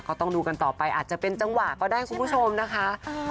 ก็ต้องดูกันต่อไปอาจจะเป็นจังหวะก็ได้คุณผู้ชมนะคะอาจจะเริ่มมาแล้ว